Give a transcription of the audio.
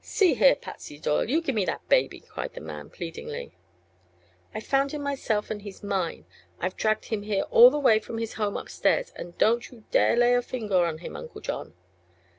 "See here, Patsy Doyle; you gimme that baby." cried the man, pleadingly. "I found him myself, and he's mine. I've dragged him here all the way from his home upstairs, an' don't you dare lay a finger on him. Uncle John!"